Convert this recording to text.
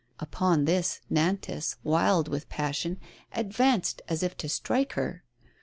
Upon this, Nantas, wild with passion, advanced, as if to strike her.